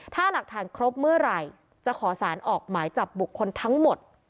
ถ้าหลักฐานครบเมื่อไหร่จะขอสารออกหมายจับบุคคลทั้งหมด